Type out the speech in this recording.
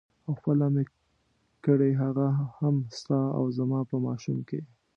او خپله مې کړې هغه هم ستا او زما په ماشوم کې.